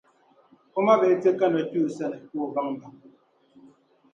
O mabihi ti kana kpe o sani, ka o baŋ ba.